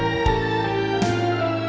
jangan lupa untuk mencoba